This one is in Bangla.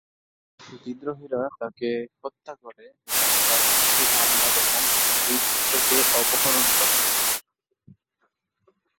বিদ্রোহীরা তাকে হত্যা করে এবং তার স্ত্রী আমেনা বেগম ও দুই পুত্রকে অপহরণ করে।